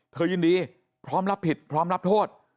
ยินดีพร้อมรับผิดพร้อมรับโทษ